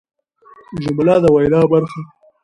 جمله د وینا برخه ده.